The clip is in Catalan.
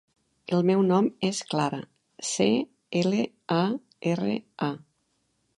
El meu nom és Clara: ce, ela, a, erra, a.